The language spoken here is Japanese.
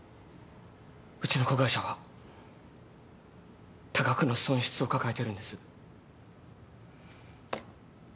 うちの子会社は多額の損失を抱えてるんです。